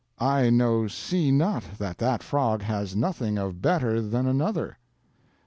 I no saw not that that frog had nothing of better than each frog."